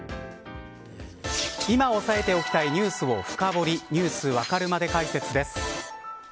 今押さえておきたいニュースを深掘りニュースわかるまで解説です。